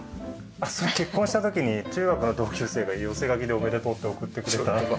あっそれ結婚した時に中学の同級生が寄せ書きでおめでとうって贈ってくれた。